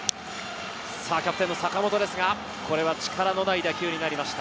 キャプテンの坂本ですが、力のない打球になりました。